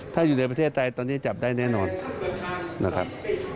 ถ้าอยู่ในไปลเทศใต้จะจับนี้ได้แน่นอนนะครับ